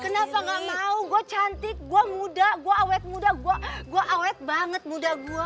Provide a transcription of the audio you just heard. kenapa gak mau gue cantik gue muda gue awet muda gue gue awet banget muda gue